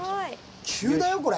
急だよこれ。